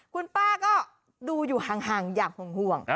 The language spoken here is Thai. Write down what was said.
คุณป้าก็ดูอยู่ห่างอยากห่วง